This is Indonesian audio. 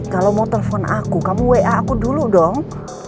kalau mau telepon aku kamu wa aku dulu dong